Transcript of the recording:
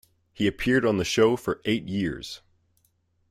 He appeared on the show for eight years.